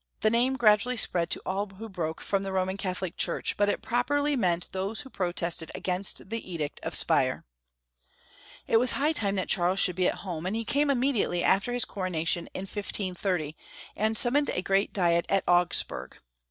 The name gradually spread to all who broke from the Roman Catholic Church, but it properly 284 Young Folks' History of Q ermany. meant those who protested against the edict of Speier. It was high time that Charles should be at home, and he came immediately after his coronation in 1530, and siunmoned a great diet at Augsburg.